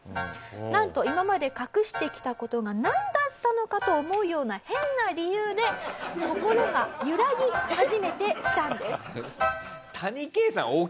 なんと今まで隠してきた事がなんだったのかと思うような変な理由で心が揺らぎ始めてきたんです。